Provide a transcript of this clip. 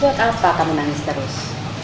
buat apa kamu nangis terus